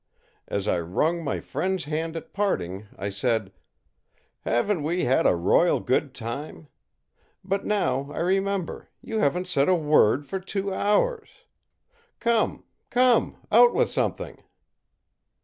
As I wrung my friend's hand at parting, I said: ìHaven't we had a royal good time! But now I remember, you haven't said a word for two hours. Come, come, out with something!